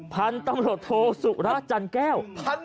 พันธุ์ตำรวจโทสุละจันทน์แก้ว